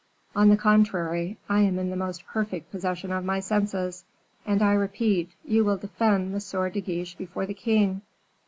"On the contrary, I am in the most perfect possession of my senses; and I repeat, you will defend M. de Guiche before the king."